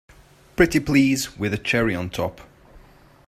Pretty please with a cherry on top!